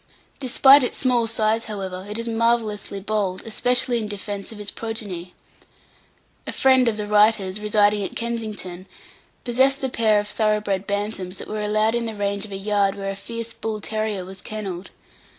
Despite its small size, however, it is marvellously bold, especially in defence of its progeny. A friend of the writer's, residing at Kensington, possessed a pair of thorough bred Bantams, that were allowed the range of a yard where a fierce bull terrier was kennelled.